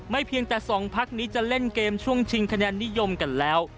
เพียงแต่สองพักนี้จะเล่นเกมช่วงชิงคะแนนนิยมกันแล้ว